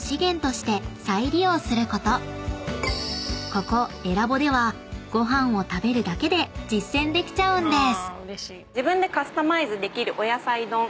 ［ここｅｌａｂではご飯を食べるだけで実践できちゃうんです］